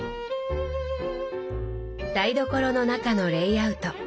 台所の中のレイアウト。